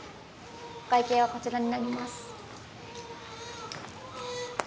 お会計はこちらになります